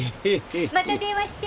また電話して」。